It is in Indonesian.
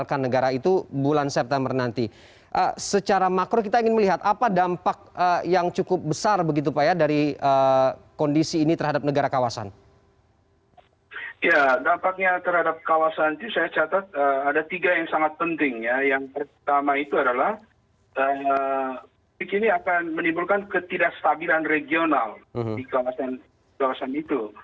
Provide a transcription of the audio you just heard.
yang pertama itu adalah begini akan menimbulkan ketidakstabilan regional di kawasan itu